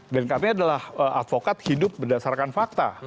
dan kami adalah advokat hidup berdasarkan fakta